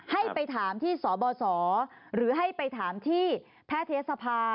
ให้ไปถามที่สบสหรือให้ไปถามที่แพทยศภา